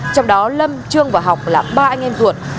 trong đó lâm trương và học là ba anh em ruột